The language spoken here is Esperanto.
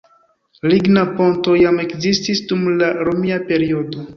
Ligna ponto jam ekzistis dum la romia periodo.